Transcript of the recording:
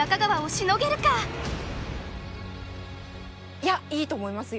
いやいいと思いますよ。